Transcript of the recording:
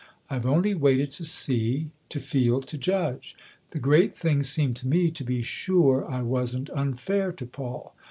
I've only waited to see, to feel, to judge. The great thing seemed to me to be sure I wasn't unfair to Paul.